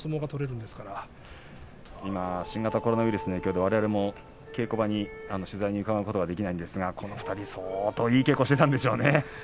今、新型コロナウイルスの影響でなかなか稽古場に、取材に伺うことできないんですがいい稽古をしていたんでしょうね。